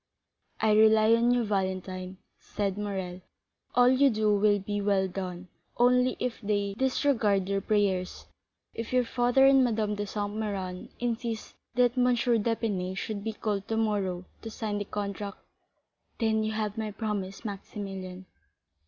"I rely on you, Valentine," said Morrel; "all you do will be well done; only if they disregard your prayers, if your father and Madame de Saint Méran insist that M. d'Épinay should be called tomorrow to sign the contract——" "Then you have my promise, Maximilian."